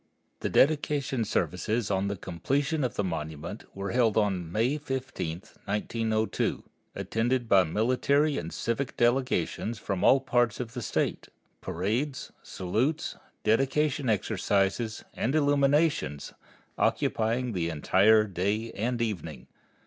The dedication services on the completion of the monument were held on May 15, 1902, attended by military and civic delegations from all parts of the State, parades, salutes, dedication exercises, and illuminations, occupying the entire day and evening.